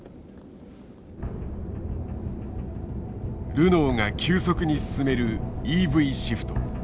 ルノーが急速に進めるＥＶシフト。